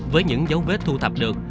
với những dấu vết thu thập được